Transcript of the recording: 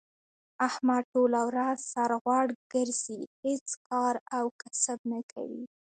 احمد ټوله ورځ سر غوړ ګرځی، هېڅ کار او کسب نه کوي.